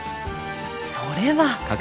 それは。